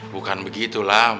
bukan begitu lam